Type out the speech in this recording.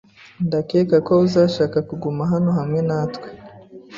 Ndakeka ko uzashaka kuguma hano hamwe natwe.